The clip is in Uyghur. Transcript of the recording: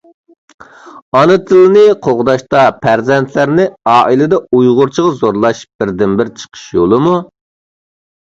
ئانا تىلنى قوغداشتا پەرزەنتلەرنى ئائىلىدە ئۇيغۇرچىغا زورلاش بىردىنبىر چىقىش يولىمۇ؟